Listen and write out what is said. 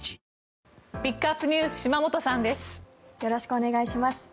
よろしくお願いします。